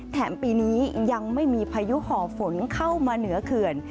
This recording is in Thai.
ปีนี้ยังไม่มีพายุห่อฝนเข้ามาเหนือเขื่อน